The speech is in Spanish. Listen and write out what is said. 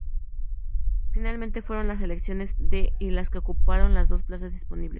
Finalmente, fueron las selecciones de y las que ocuparon las dos plazas disponibles.